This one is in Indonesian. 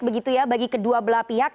begitu ya bagi kedua belah pihak